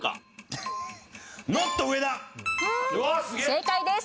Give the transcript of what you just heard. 正解です！